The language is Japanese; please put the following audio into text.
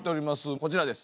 こちらです。